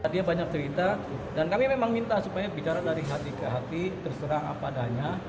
dia banyak cerita dan kami memang minta supaya bicara dari hati ke hati terserang apa adanya